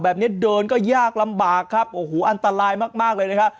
แบบนี้เดินก็ยากลำบากครับโอ้โหอันตรายมากเลยนะครับ